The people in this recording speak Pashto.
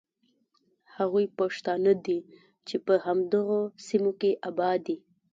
هغوی پښتانه دي چې په همدغو سیمو کې آباد دي.